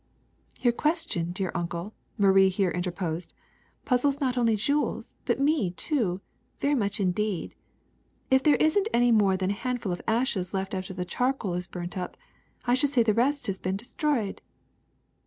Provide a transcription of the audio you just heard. '' Your question, dear Uncle," Marie here inter posed, ''puzzles not only Jules, but me too, very much indeed. If there is n't any more than a hand ful of ashes left after the charcoal is burnt up, I should say the rest has been destroyed.